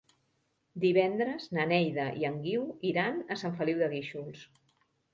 Divendres na Neida i en Guiu iran a Sant Feliu de Guíxols.